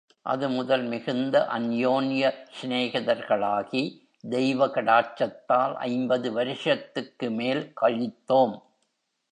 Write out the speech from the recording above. அது முதல் மிகுந்த அன்யோன்ய ஸ்நேகிதர்களாகி, தெய்வ கடாட்சத்தால் ஐம்பது வருஷத்துக்கு மேல் கழித்தோம்.